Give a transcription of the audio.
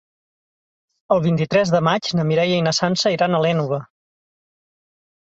El vint-i-tres de maig na Mireia i na Sança iran a l'Énova.